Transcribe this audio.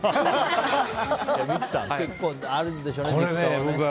三木さん結構あるんでしょうね、実家は。